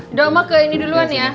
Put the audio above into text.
udah oma ke ini duluan ya